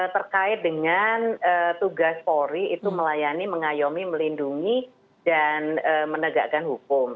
terkait dengan tugas polri itu melayani mengayomi melindungi dan menegakkan hukum